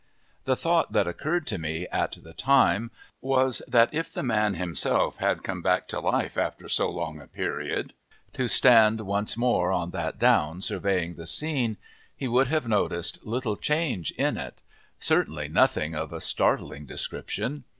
The thought that occurred to me at the time was that if the man himself had come back to life after so long a period, to stand once more on that down surveying the scene, he would have noticed little change in it, certainly nothing of a startling description.